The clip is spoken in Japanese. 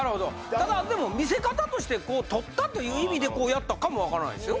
ただ見せ方としてとったという意味でこうやったかも分からないですよ